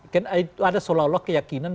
kan itu ada seolah olah keyakinan